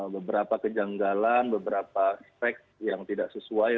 beberapa kejanggalan beberapa aspek yang tidak sesuai